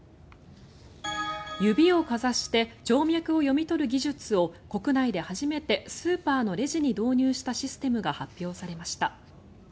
指をかざして静脈を読み取る技術を国内で初めてスーパーのレジに導入したシステムが発表されました。